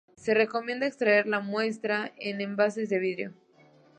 Se recomienda extraer la muestra en envases de vidrio.